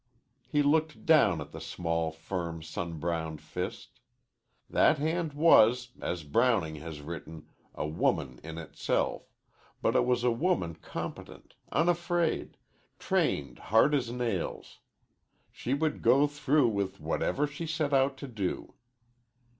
He looked down at the small, firm, sunbrowned fist. That hand was, as Browning has written, a woman in itself, but it was a woman competent, unafraid, trained hard as nails. She would go through with whatever she set out to do.